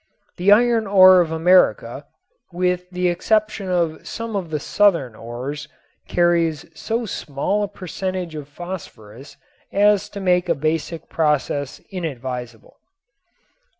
The iron ore of America, with the exception of some of the southern ores, carries so small a percentage of phosphorus as to make a basic process inadvisable.